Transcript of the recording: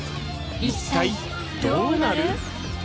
一体どうなる？